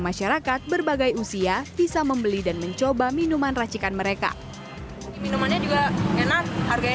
masyarakat berbagai usia bisa membeli dan mencoba minuman racikan mereka minumannya juga enak harganya